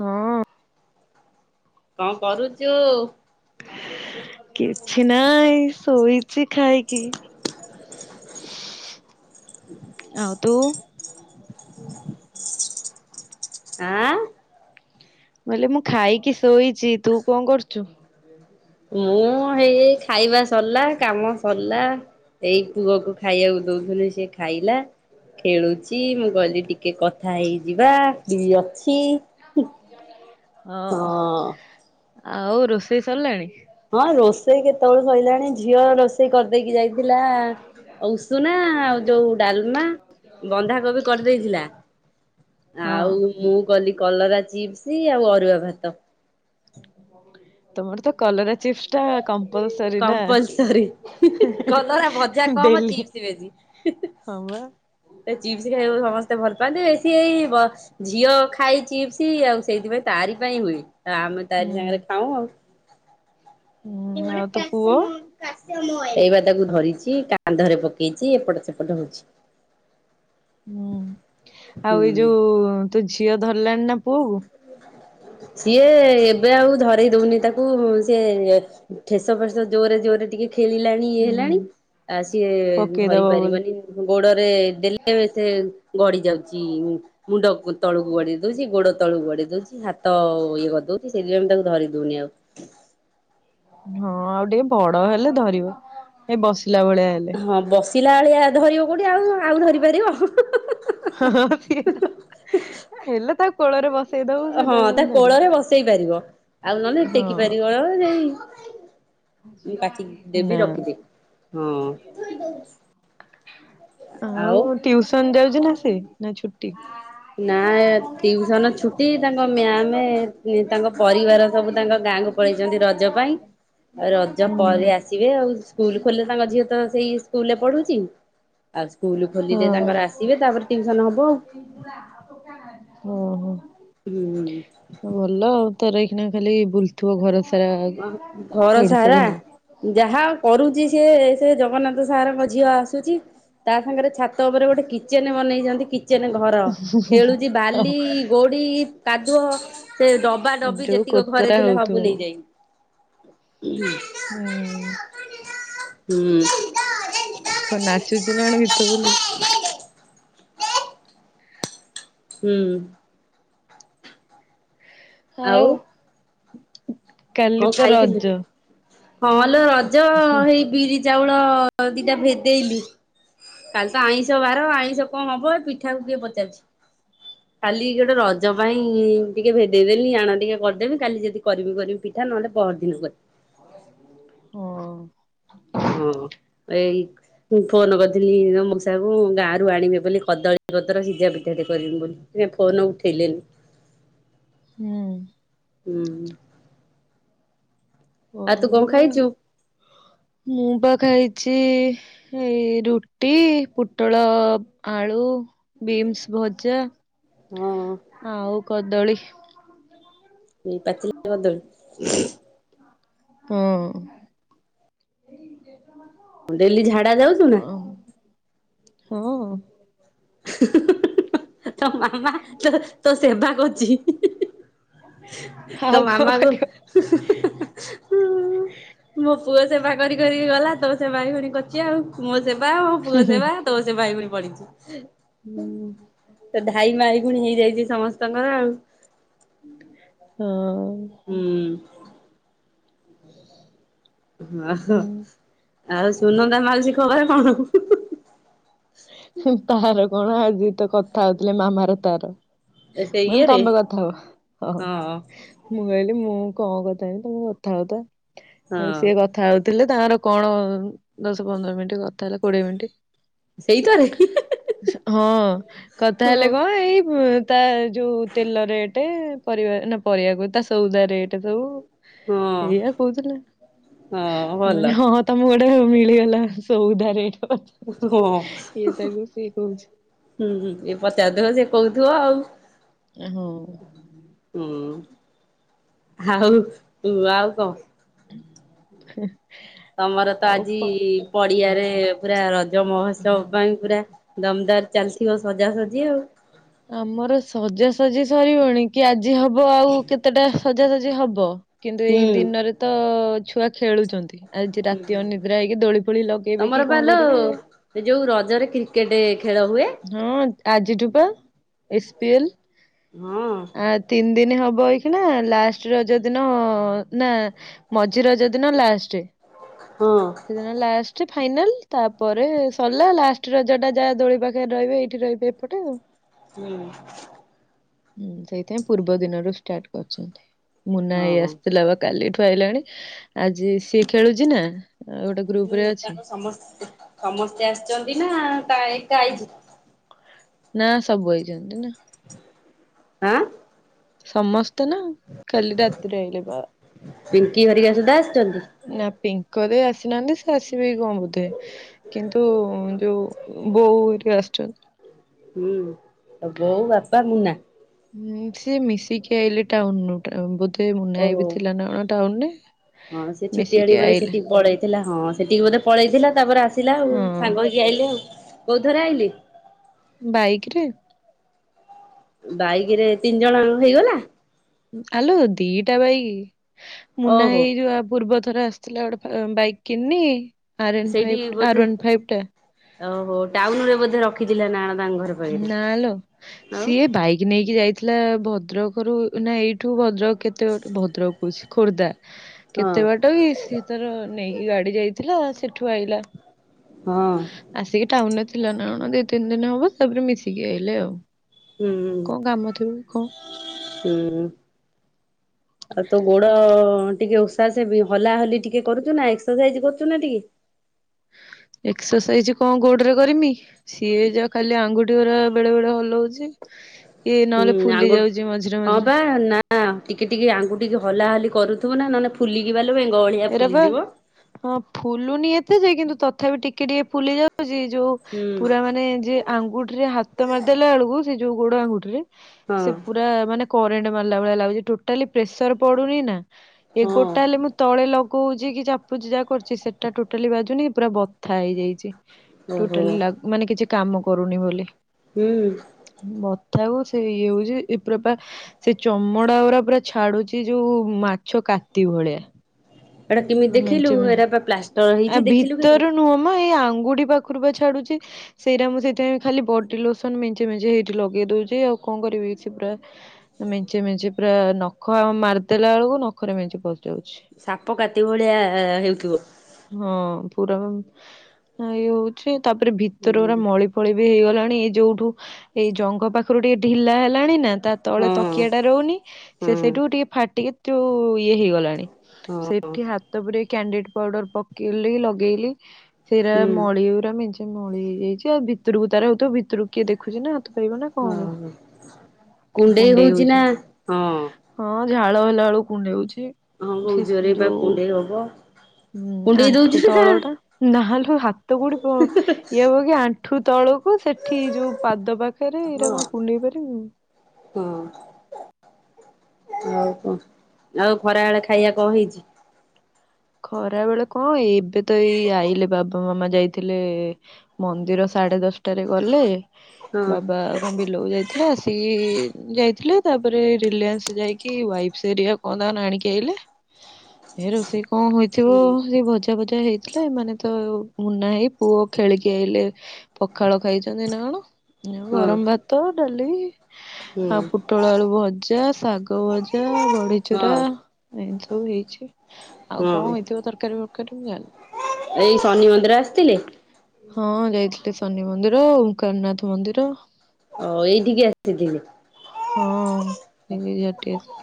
ହଁ। କଣ କରୁଛୁ? କିଛି ନାଇଁ ଶୋଇଛି ଖାଇକି। [inaudible] ଆଉ ତୁ ଆଁ। ବୋଇଲେ ମୁଁ ଖାଇକି ଶୋଇଛି ତୁ କଣ କରୁଛୁ? ମୁଁ ହେଇ ଖାଇବା ସରିଲା କାମ ସରିଲା। ଏଇ ପୁଅକୁ ଖାଇବାକୁ ଦଉଥନି ସେ ଖାଇଲା। ଖେଳୁଛି ମୁଁ କହିଲି ଟିକେ କଥା ହେଇଯିବା [unintelligible] ଅଛି। ହଁ ଆଉ ରୋଷେଇ ସରିଲାଣି। ହଁ ରୋଷେଇ କେତେବେଳେ ସରିଲାଣି ଝିଅ ରୋଷେଇ କରିଦେଇକି ଯାଇି ଥିଲା ଉଷୁନା ଆଉ ଯୋଉ ଡାଲମା ବନ୍ଧାକୋବି କରିଦେଇଥିଲା ହଁ। ଆଉ ମୁଁ କଲି କଲରା ଚିପ୍ସ ଆଉ ଅରୁଆ ଭାତ। [inaudible] ତମର ତ କଲରା ଚିପ୍ସ ଟା କମ୍ପଲସରୀ ନା କମ୍ପଲସରୀ ଡେଲି। [unintelligible] ବଜି ହ ୱା। ଚିପ୍ସ ଖାଇବାକୁ ସମସ୍ତେ ଭଲ ପାଆନ୍ତି ବେଶୀ ହେଇ ବସ ଝିଅ ଖାଇଛିି ସି ଆଉ ସେଇଥିପାଇଁ ତାରି ପାଇଁ ହୁଏ ଆ ଆମେ ହୁଁ। ତାରି ସାଙ୍ଗରେ ଖାଉ ଆଉ। [unintelligible] ହୁଁ ଏଇ ଆଉ ତୋ ପୁଅ? ବା ତାକୁ ଧରିଛି କାନ୍ଧରେ ପକେଇଛି ଏପଟ ସେପଟ ହଉଛି। ହୁଁ ଆଉ ଏଇ ହୁଁ। ଯୋଉ ତୁ ଝିଅ ଧରିଲାଣି ନା ପୁଅକୁ। ସିଏ ଏବେ ଆଉ ଧରଇ ଦଉନି ତାକୁ ସିଏ ଠେସ ଫେସ ଜୋରେ ଜୋରରେ ଟିକେ ଖେଳିଲାଣି ଇଏ ହୁଁ। ହେଲାଣି ଆଉ ସିଏ ଧରି ପକେଇଦବ ବୋଲି ପାରିବନି। ଗୋଡରେ ଦେଲେ ସେ ଗଢଡିି ଯାଉଛି ମୁଣ୍ଡ ତଳକୁ ବଢେଇ ଦଉଛି ଗୋଡ ତଳକୁ ବଢେଇ ଦଉଛି ହାତ ଇଏ କରିଦଉଛି ସେଇଥିପାଇଁ ତାକୁ ଧରି ଦଉନି ଆଉ। ହଁ ଆଉ ଟିକେ ବଡ ହେଲେ ଧରିବ ଏ ବସିଲା ଭଳିଆ ହେଲେ। ହଁ ବସିଲା ଭଳିଆ ଧରିବ କୋଉଠି ଆଉ ଆଉ ଧରି ପାରିବ। [unintelligible] [unintelligible] ହଁଁ ହେଲେ ତା କୋଳରେ ବସ ହଁ ତା କୋଳରେ ବସେଇ ପାରିବ ଆଉ ନହେଲେ ଟେକି ପାରିବ ଯାଇ। ହଁ ନାଁ। ଆଉ ଟିଉସନ ଯାଉଛି ନା ସେ ନା ଛୁଟି। ନା ଟିଉସନ ଛୁଟି ତାଙ୍କ ମ୍ୟାମ ତାଙ୍କ ପରିବାର ସବୁ ତାଙ୍କ ଗାଁକୁ ପଳେଇଛନ୍ତି ରଜ ପାଇଁ ଆଉ ରଜ ହୁଁ ପରେ ଆସିବେ ଆଉ ସ୍କୁଲ ଖୋଲେ ତାଙ୍କ ଝିଅ ତ ସେଇ ସ୍କୁଲରେ ପଢୁଛି। ଆଉ ସ୍କୁଲ ହଁ ଖୋଲିଲେ ତାଙ୍କର ଆସିବେ ତାପରେ ଟିଉସନ ହବ। ଓହୋ। ହୁଁ। ଭଲ, ଆଉ ତୋରଏଇକିନା ଖାଲି ବୁଲୁଥିବ ଘର ସାରା, ଘର ଏଡୁ ସାରା ସେଡୁ [unintelligible] ଯାହା କରୁଛି ସିଏ, ସେ ଜଗନ୍ନାଥ ସାରଙ୍କ ଝିଅ ଆସୁଛି। ତା ସାଙ୍ଗରେ ଛାତ ଉପରେ ଗୋଟେ କିଚେନ ବନେଇଛନ୍ତି, କିଚେନ ଘର ଖେଳୁଛି, ବାଲି, ଗୋଡି, କାଦୁଅ ସେ ଡବା ଡବି ଯୋଉ ଯେତିକ କୋତରା ଘରେ ଥିଲା, ହଉଥିବ। ସବୁ ନେଇଯାଇଛି। ହୁଁ। ହୁଁ। ହୁଁ। କଁ, ନାଚୁଚିନା କଣ, ଗୀତ ବୋଲି ହୁଁ। ହଉ। ଆଉ କଣ ଖାଇଥିଲୁ ହଁଲୋ, ରଜ ହେଇ ବିରି ଚାଉଳ ଦିଟା ଭେଦେଇଲି କାଲିତ ଆଇଁଷ ବାର, ଆଇଁଷ କଣ ହବ ଏ ପିଠାକୁ କିଏ ପଚାରୁଚି। କାଲି ଗୋଟେ, ରଜ ପାଇଁ ଟିକେ ଭେଦେଇଦେଲି, ଆଣ ଟିକେ କରିଦେବି, କାଲି ଯଦି କରିବି କରିବି ପିଠା, ନହଲେ ପହରଦିନକୁ କ ହୁଁ। ହଁ ଏଇ ମୁଁ ଫୋନ୍ କରିଥିଲି ଆମ ମଉସାକୁ, ଗାଁରୁ ଆଣିବେ ବୋଲି, କଦଳୀପତ୍ର ସିଝା ପିଠାଟେ କରିମି ବୋଲି। ସିଏ ଫୋନ୍ ଉଠେଇଲେନି। ହୁଁ। ହୁଁ। ଆଉ ତୁ କଣ [unintelligible] [inaudible] ମୁଁପା ଖାଇଚି ଏଇ, ରୁଟି, ପୁଟଳ, ଆଳୁ, ବିମ୍ସ ଭଜା। ହଁ ଆଉ କଦଳୀ। ପାଚିଲା କଦଳୀ। ହଁ। ଡେଲି ଝାଡ଼ା ଯାଉଚୁନା? ହଁ। [unintelligible] ତୋ ମାମା ତ ତୋ ସେବା କରୁଚି। ତ କଣ ମାମାକୁ କରିବ ମୋ ପୁଅ ସେବା କରି କରିକି ଗଲା ତୋ ସେବା [unintelligible] ପୁଣି କରୁଚି ଆଉ। ମୋ ସେବା ମୋ ପୁଅ ସେବା ତୋ ସେବା ଏଇ ପୁଣି ପଢିଚି। ହୁଁ ତ ଧାଇ ମା ଏଇଖୁଣି ହେଇଯାଇଚି ସମସ୍ତଙ୍କର ଆଉ। ହଁ। ହୁଁ। [inaudible] ଓହୋ ହଁ ଆଉ ସୁନନ୍ଦା ମାଉସି ଖବର କଣ? ତାର କଣ ଆଜିତ କଥା ହଉଥିଲେ, ମାମାର ତାର। ସେ ମୁଁ କହିଲି ଇଏରେ ତମେ କଥା ହୁଅ ହଁ। ମୁଁ କହିଲି, ମୁଁ କଁ କଥାହେବି ତମେ କଥା ହଉଥ, ହଁ ସିଏ କ କଥା ହଉଥିଲେ, ତାଙ୍କର କଣ ଦଶ ପନ୍ଦର ମିନିଟ୍, କଥା ହେଲେ କୋଡ଼ିଏ ମିନିଟ୍। ସେଇଥରେ ହଁ, କଥା ହଁ ହେଲେ, କଁ ଏଇ ତା ଯୋଉ ତେଲ ରେଟ୍, ପରିବା ନା, ପରିବା କହୁଚି ତା ସଉଦା ରେଟ୍ ସବୁ। ହଁ ଏଇଆ କହୁଥିଲା ହଁ ଭଲ ମାନେ ହଁ ତମକୁ ଗୋଟେ ମିଳିଗଲା ସଉଦା ରେଟ୍ ହଁ ଇଏ ତାକୁ ସିଏ କହୁଛି। ହୁଁ ଇଏ ପଚାରୁଥିବ ସେ କହୁଥିବ ଆଉ। ହଁ। ହୁଁ ଆଉ ଆଉ କଁ? [inaudible] ତମର ତ ଆଉ ଆଜି କ ପଡିଆରେ ପୁରା ରଜ ମହୋତ୍ସବ ହଁ। ପାଇଁ ପୁରା ଦମଦାର ଚାଲିଥିବ ସଜାସଜି ଆଉ ଆମର ସଜାସଜି ସରିବଣି କି ଆଜି ହବ ଆଉ କେତେଟା ସଜାସଜି ହବ କିନ୍ତୁ ଏଇ ହୁଁ ଦିନରେ ତ ଛୁଆ ଖେଳୁଛନ୍ତି ଆଜି ରାତି ଅନିଦ୍ରା ହେଇକି ଦୋଳି ଫୋଳି ଲଗେଇବେ କି ତମର ପା କଣ ଲୋ କରିବେ ସେ ଯୋଉ ରଜରେ କ୍ରିକେଟ ଖେଳ ହୁଏ ହଁ ଆଜିଠୁପା ଏସ୍ ପି ଏଲ ହଁ ଆ ତିନି ଦିନ ହବ ହେଇଖିଣା ଲାଷ୍ଟ ରଜ ଦିନ ନା ମଝି ରଜ ଦିିନ ଲାଷ୍ଟ ହଁ ସେ ଦିନ ଲାଷ୍ଟ ଫାଇନାଲ ତାପରେ ସରିଲା ଲାଷ୍ଟ ରଜ ଟା ଯାହା ଦୋଳି ପାଖରେ ରହିବେ ଏଇଠି ରହିବେ ଏପଟେ ଆଉ ହୁଁ ହୁଁ ସେଇଥିପାଇଁ ପୂର୍ବ ଦିନରୁ ଷ୍ଟାର୍ଟ କରିଛନ୍ତି ମୁନା ହେଇ ହଁ ଆସିଥିଲା ବା କାଲିଠୁ ଆଇଲାଣି ଆଜି ସିଏ ଖେଳୁଛି ନା ଗୋଟେ ହୁଁ ଗ୍ରୁପ ରେ ତାକୁ ଅଛି ସମସ୍ତେ ସମସ୍ତେ ଆସିଛନ୍ତି ନା କା ଏକା ଆଇଛି ନା ସବୁ ଆଇଛନ୍ତି ନା ଆଁ ସମସ୍ତେ ନା କାଲି ରାତିରେ ଆଇଲେ ବା ପିଙ୍କି ହେରିକା ସୁଦ୍ଧା ଆସିଛନ୍ତି ନା ପିଙ୍କ ଦେଇ ଆସିନାହାନ୍ତି ସେ ଆସିବେ କି କଣ ବୋଧେ କିନ୍ତୁ ଯୋଉ ବୋଉ ହାରିକା ଆସିଛନ୍ତି ହୁଁ ତୋ ବୋଉ ବାପା ମୁନା ହଁ ସିଏ ମିଶିକି ଆଇଲେ ଟାଉନ ରୁ ଟାଉନ ବୋଧେ ମୁନା ଭାଇ ଓହୋ। ବି ଥିଲା ନା କଣ ଟାଉନରେ ହଁ ସେ ଛୁଟିଆଣିକି ମିଶିକି ବୋଧେ ଆଇଲେ ସେଠିକି ପଳେଇଥିଲା ହଁ ସେଠିକି ବୋଧେ ପଳେଇଥିଲା ତାପରେ ଆସିଲା ଆଉ ହଁ ସାଙ୍ଗ ହେଇକି କି ଆଇଲେ ଆଉ କୋଉ ଥରେ ଆଇଲେ ବାଇକି ରେ ବାଇକି ରେ ତିନି ଜଣଙ୍କ ହେଇଗଲା ଆଲୋ ଦିଟା ବାଇକ୍ ମୁନା ଓହୋ ଭାଇ ଯୋଉ ଆ ପୂର୍ବ ଥର ଆସି ଥିଲା ଗୋଟେ ବାଇକ୍ କିଣିନି ଆର୍ ଏନ୍ ସେଇଠି ଫାଇଫ୍ ବୋଧେ ଆର ୱାନ ଫାଇଫ୍ ଟା ଓହୋ ଟାଉନ ରେ ବୋଧେ ରଖିଥିଲା ନା ତାଙ୍କ ଘର ପାଖରେ ନାଲୋ ଆଉ ସିଏ ବାଇକ ନେଇକି ଯାଇଥିଲା ଭଦ୍ରକରୁ ନା ଏଇଠୁ ଭଦ୍ରକ କେତେ ବାଟ ଭଦ୍ରକ କହୁଛି ଖୋର୍ଦ୍ଧା କେତେ ବାଟ ହଁ ଟୋଇ ସିଏ ତାର ନେଇକି ଗାଡି ଯାଇଥିଲା ସେଠୁ ଆଇଲା ହଁ ଆସିକି ଟାଉନ ରେ ଥିଲା ନା କଣ ଦି ତିନି ଦିନ ହବ ତାପରେ ମିଶିକି ଆଇଲେ ଆଉ ହୁଁ ହୁଁ କଣ କାମ ଥିବ କଣ ହୁଁ ଆଉ ତୋ ଗୋଡ ଟିକେ ଉଷାଉଷୀ ହଲା ହୋଲି ଟିକେ କରୁଛୁ ନା ଏକ୍ସରସାଇଜ କରୁଛୁ ନା ଟିକେ ଏକ୍ସରସାଇଜ କଣ ଗୋଡରେ କରିମି ସିଏ ଯା ଖାଲି ଆଙ୍ଗୁଠି ଆଙ୍ଗୁଠି ଗୁରା ବେଳେ ବେଳେ ହଲଉଛି ଇଏ ହୁଁ ନହେଲେ ଫୁଲି ଆଙ୍ଗୁ ଯାଉଛି ମଝିରେ ମଝିରେ ବା ନା ହଁ ଟିକେ ଟିକେ ଆଙ୍ଗୁଠିକି ହଲାହଲି କରୁଥିବୁ ନା ନହେଲେ ଫୁଲିକି ବାଲୋ ବେଙ୍ଗ ଭଳିଆ ଏରା ବା ଫୁଲିଯିବ ହଁ ଫୁଲୁନି ଏତେ ଯେ କିନ୍ତୁ ତଥାପି ଟିକେ ଟିକେ ଫୁଲି ଯାଉଛି ଯୋଉ ହୁଁ ପୁରା ମାନେ ଯେ ଆଙ୍ଗୁଠିରେ ହାତ ମାରିଦେଲା ବେଳକୁ ସେ ଯୋଉ ଗୋଡ ଆଙ୍ଗୁଠି ରେ ହଁ ସେ ପୁରା ମାନେ କରେଣ୍ଟ ମାରିଲା ଭଳିଆ ଲାଗୁଛି ଟୋଟାଲି ପ୍ରେସର ପଡୁନି ନା ଏଇ ହଁ ଗୋଡଟା ହେଲେ ମୁଁ। ତଳେ ଲଗଉଛି କି ଚାପୁଛି ଯାହା କରୁଛି ସେଟା ଟୋଟାଲି ବାଜୁନି ପୁରା ବଥା ହେଇଯାଇଛି। ଓହୋ। ଟୋଟାଲି ମାନେ କିଛି କାମ କରୁନି ବୋଲି। ହୁଁହ୍ନୁ। ବଥାକୁ ସେଇ ଇଏ ହଉଛି ଏବେ ପା। ସେ ଚମଡା ପୁରା ଛାଡୁଛି ଯୋଉ ମାଛ କାତି ଭଳିଆ। ଏଇଟା କେମିତି ଆ ଦେଖିଲୁ ମେଞ୍ଚେ ମେଞ୍ଚେ ହେଟା ପ୍ଲାଷ୍ଟିକ। ଆ ଭିତର ନୁହଁମ ଏଇ ଆଙ୍ଗୁଠି ପାଖରୁ ବା ଛାଡୁଛି। ସେଇଟା ମୁଁ ସେଇଥିପାଇଁ ଖାଲି ବଡି ଲୋସନ ମେଞ୍ଚେ ମେଞ୍ଚେ ସେଇଠି ଲଗେଇ ଦଉଛି ଆଉ କଣ କରିବି କି ସେ ପୁରା। ମେଞ୍ଚି ମେଞ୍ଚି ପୁରା ନଖ ମାରିଦେଲା ବେଳକୁ ନଖରେ ମେଞ୍ଚି ପଶି ଯାଉଛି। ସାପ କାତି ଭଳିଆ ହେଉଥିବ। ହଁ ପୁରା ଇଏ ହଉଛି ତାପରେ ଭିତରେ ହୁଁ ପୁରା ମଳି। ଭଳି ବି ହେଇଗଲାଣି ଏଇ ଯୋଉଠୁ ଏଇ ଜଘଂ ପାଖରୁ ଟିକେ ଢିଲା ହେଲାଣି ନା। ତା ତଳେ ହଁ ତକିଆ ଟା ରହୁନି ସେ ହଁ। ସେଇଠକୁ ଟିକେ ଫାଟିକି। କିନ୍ତୁ ଇଏ ହେଇଗଲାଣି ହଁ ସେଠି ହାତ ପୁରେଇକି କ୍ୟାଣ୍ଡିଡି ପାଉଡର। ପକେଇଲେ ଲଗେଇଲି। ସେଇଟା ହୁଁ ମଳି ଗୁରା ମେଞ୍ଚେ ମଳି ହେଇଯାଇଛି ଆଉ ଭିତରକୁ ତାର ହଉଥିବ ଭିତରକୁ ଦେଖୁଛି ନା ହାତ ପାଇବନା ନା କଣ ହବ। ହଁ କୁଣ୍ଡେଇ ହଉଛି ନା। ହଁ। ହଁ ଝାଳ ହେଲା ବେଳକୁ କୁଣ୍ଡେଇ ହଉଛି। ହଁ ବୋହୁତ ସେ ଜୋରରେ ବା ଯୋଉ କୁଣ୍ଡେଇ ହବ। ହୁଁ କୁଣ୍ଡେଇ ଆଣ୍ଠୁ ଦଉଛୁ ନା। ତଳ ଟା। ନହେଲେ ହାତ ଗୋଠି ଇଏ ହବ କି ଆଣ୍ଠୁ ତଳକୁ ସେଠି ଯୋଉ। ପାଦ ପାଖରେ ହଁ ଏଇଟା କଣ କୁଣ୍ଡେଇ ପାରିବି। ହଁ ଆଉ କଣ। ଆଉ ଖରାବେେଳେ ଖାଇବା କଣ ହେଇଛି। ଖରା ବେଳେ କଣ ଏବେ ତ ଏଇ ଆଇଲେ ବାବା ମାମା ଯାଇଥିଲେ। ମନ୍ଦିର ସାଢେ ଦଶଟାରେ ଗଲେ ହଁ ବାବା। ବିଲକୁ ଯାଇଥିଲା ଆସିକି ଯାଇଥିଲା ତାପରେ ରିଲାନ୍ସ ଯାଇକି ୱାଇଫସ ହେରିକା। ଆଣିକି ଆଇଲେ। ହ। ଏ ରୋଷେଇ କଣ ହେଇଥିବ। ସେ ଭଜା ଫଜା ହେଇଥିଲା ଏମାନେ ତ ମୁନାଭାଇ ହେଇ ପୁଅ ଖେଳିକି ଆଇଲେ। ପଖାଳ ଖାଇଛନ୍ତି ନା କଣ ଗରମ ଭାତ ଡାଲି ହୁଁ ଆଉ। ପୋଟଳଆଳୁଭଜା, ଶାଗ ଭଜା, ବଢିଚୁରା ହଁ ଏମିତି ସବୁ ହେଇଛି। ଆଉ ହଁ। କଣ ହେଇଥିବ ତରକାରୀ ଫରକାରୀ ମୁଁ ଜାଣିନି। ଏଇ ଶନି ମନ୍ଦିର ଆସିଥିଲେ। ହଁ ଯାଇଥିଲେ ଶନି ମନ୍ଦିର ଓଙ୍କାରନାଥ ମନ୍ଦିର। ଓ ଏଇଠିକି ଆସିିଥିଲି। ହଁ। ଏଇଆଡେ ଟିକେ।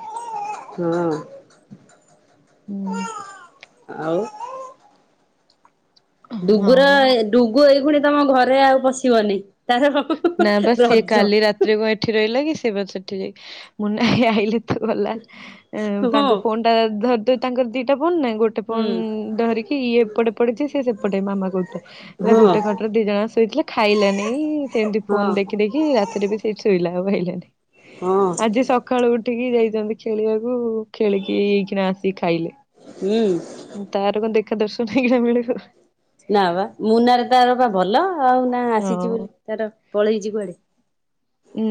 ହଁ। ହୁଁ। ଆଉ। ଡୁଗୁର ଆଉ ଡୁଗୁ ଏଇ ଖୁଣି ତମ ଘରେ ଆଉ ପଶିବନି। ତାର ନା ବା ସିଏ ରଜ। କାଲି ରାତିରେ ଏଠି ରହିଲା କି ସେ ବା ସେଠି ଯାଇ ମୁନା ଭାଇ ଆଇଲେ। ଗଲା ହଁ ହୁଁ। ତାଙ୍କ ଫୋନ୍ ଟା ଧରିଦ ତାଙ୍କର ଦିଟା ଫୋନ ନା ଗୋ ଟେ ଫୋନ ହଁ ଧରିକି ଇଏ ଏପଟେ ପଡିଛି ସିଏ ସେପଟେ ମାମା କହୁଥିଲା ହେଲା ହଁ ଗୋଟେ ଖ ଦି ଜଣ ଶୋଇଥିଲା ଖାଇଲାନି ସେମିତି ଫୋନ ଦେଖି ଦେଖି ରାତିରେ ବି ସେଠି ଶୋଇଲା ଆଉ ଆଇଲାନି। ହଁ। ଆଜି ସକାଳୁ ଉଠିକି ଯାଇଛନ୍ତି ଖେଳିବାକୁ ଖେଳିକି ଏଇଖିନା ଆସିିକି ଖାଇଲେ। ହୁଁ। ତାର କ ଦେଖା ଦର୍ଶନ ହେଇଗଲା ମିଳିବ। ନା ବା ମୁନା ର ତାର ବା ଭଲ ଆଉ ନା ଆସିଛି ହଁ। ବୋଲି ତାର ପଳେଇଛି କୁଆଡେ?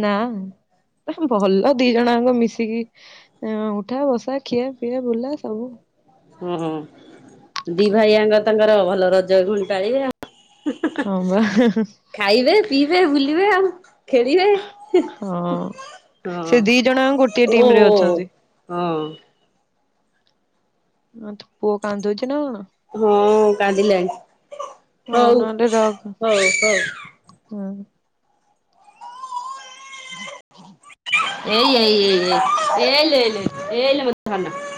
ନାଁ ଭଲ ଦି ଜଣଯାକ ମିଶିକି ଉଠା ବସା ଖିଆ ପିଆ ବୁଲା ସବୁ। ଓ ହୋ ଦି ଭାଇଆଙ୍କ ତାଙ୍କର ଭଲ ରଜ ଘୁଣ୍ଟାଏ ଆଉ ହଁ ବା ଖାଇବେ ପିଇବେ ବୁଲିବେ ଆଉ ଖେଳିବେ ହଁ ହଁ ସେ ଦି ଜଣ ଗୋଟିଏ ଓ ଟିମ ରେ ଅଛନ୍ତି। ହଁ। ହଁ ତୋ ପୁଅ କାନ୍ଦୁଛି ନା କଣ? ହଁ କାନ୍ଦିଲାଣି ହଉ ନହେଲେ ରଖ ହଉ ହଉ ହଁ। ଏଇ ଏଇ ଏଇ ଏଇ ଏଇଲେ ଏଇଲେ ଏଇଲେ ଏଇଲେ ମୋ ସୁନା।